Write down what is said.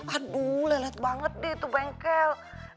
aduh lelat banget deh tuh bengkel